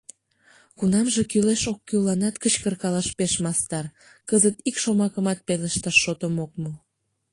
Кунамже кӱлеш-оккӱлланат кычкыркалаш пеш мастар, кызыт ик шомакымат пелешташ шотым ок му.